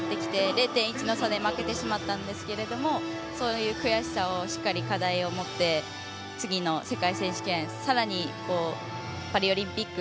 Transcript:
０．１の差で負けてしまったんですけれどもそういう悔しさをしっかりと課題を持って次の世界選手権さらにパリオリンピック